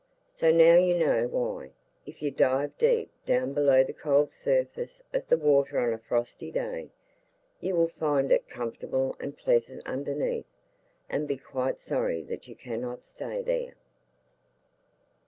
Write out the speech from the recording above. So now you know why, if you dive deep down below the cold surface of the water on a frosty day, you will find it comfortable and pleasant underneath, and be quite sorry that you cannot stay there.